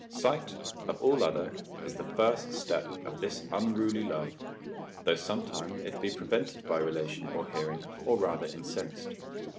Sight, of all other, is the first step of this unruly love, though sometime it be prevented by relation or hearing, or rather incensed.